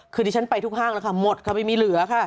คือดิฉันไปทุกห้างแล้วค่ะหมดค่ะไม่มีเหลือค่ะ